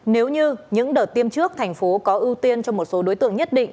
nếu như những đợt tiêm trước thành phố có ưu tiên cho một số đối tượng nhất định